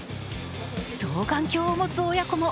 双眼鏡を持つ親子も。